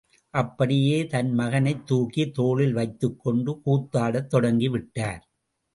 அப்படியே தன் மகனைத் தூக்கித் தோளில் வைத்துக்கொண்டு கூத்தாடத் தொடங்கிவிட்டார்.